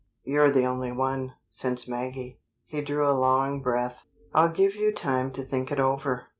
"You're the only one, since Maggie " He drew a long breath. "I'll give you time to think it over.